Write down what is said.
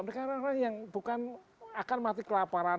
mereka orang orang yang bukan akan mati kelaparan